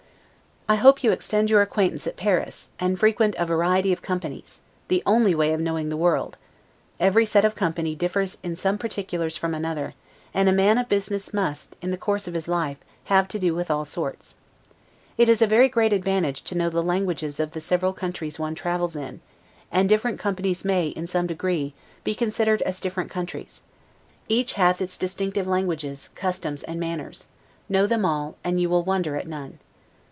I hope you extend your acquaintance at Paris, and frequent variety of companies; the only way of knowing the world; every set of company differs in some particulars from another; and a man of business must, in the course of his life, have to do with all sorts. It is a very great advantage to know the languages of the several countries one travels in; and different companies may, in some degree, be considered as different countries; each hath its distinctive language, customs, and manners: know them all, and you will wonder at none.